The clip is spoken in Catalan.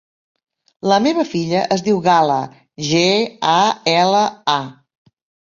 La meva filla es diu Gala: ge, a, ela, a.